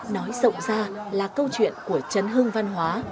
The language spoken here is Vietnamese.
nói rộng ra là câu chuyện của chấn hương văn hóa